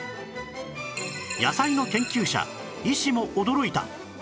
野菜の研究者医師も驚いた！